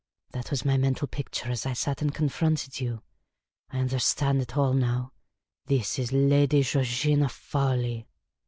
That was my mental picture as I sat and confronted you ; I understand it all now ; this is Lad}' Georgina Faw y